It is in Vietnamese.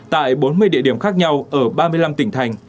tại bốn mươi địa điểm khác nhau ở ba mươi năm tỉnh thành